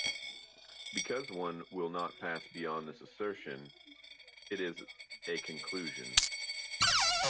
Because one will not pass beyond this assertion, it is a conclusion.